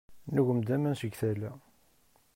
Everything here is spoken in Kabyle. Nugem-d aman seg tala.